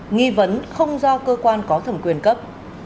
nghi vấn không do cơ quan có thẩm quyền cấp